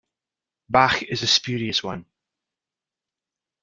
Bach is a spurious one.